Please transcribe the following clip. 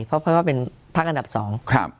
เพราะเพราะว่าเป็นพักอันดับสอง